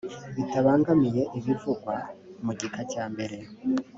bitabangamiye ibivugwa mu gika cya mbere